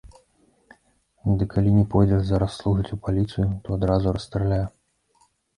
Дык калі не пойдзеш зараз служыць у паліцыю, то адразу расстраляю.